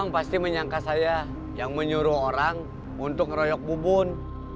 pasti menyangka saya yang menyuruh orang untuk ngeroyok bubun